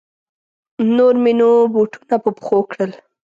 نور مې نو بوټونه په پښو کړل.